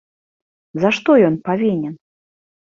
За што ён павінен?